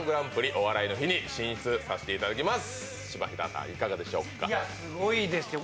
「お笑いの日」に進出させていただきます。